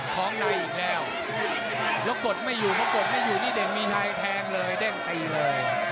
ของในอีกแล้วแล้วกดไม่อยู่เพราะกดไม่อยู่นี่เด่นมีในแทงเลยเด้งตีเลย